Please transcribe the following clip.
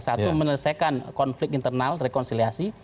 satu menyelesaikan konflik internal rekonsiliasi